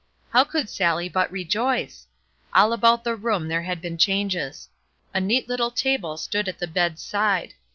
How could Sallie but rejoice? All about the room there had been changes. A neat little table stood at the bed's side.